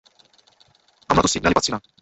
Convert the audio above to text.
আমি তো সিগনালই পাচ্ছি না।